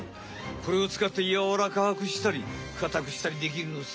これをつかってやわらかくしたりかたくしたりできるのさ。